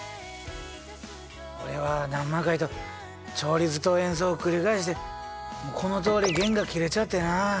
俺は何万回と調律と演奏を繰り返してこのとおり弦が切れちゃってな。